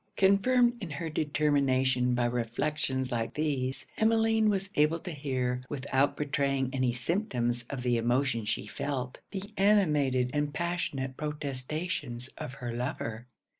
Confirmed in her determination by reflections like these, Emmeline was able to hear, without betraying any symptoms of the emotion she felt, the animated and passionate protestations of her lover.